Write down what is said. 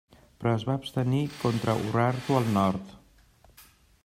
Però es va abstenir contra Urartu al nord.